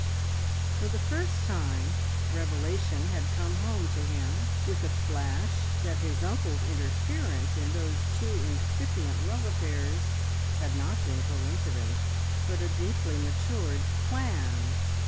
For the first time revelation had come home to him with a flash that his uncle's interference in those two incipient love affairs had not been coincidence, but a deeply matured plan.